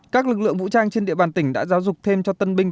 các lực lượng vũ trang trên địa bàn tỉnh đã giáo dục thêm cho tân binh